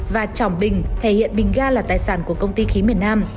và trọng bình thể hiện bình ga là tài sản của công ty khí miền nam